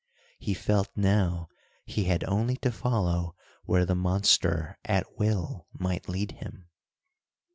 He felt now, he had only to follow where the monster at will might lead him.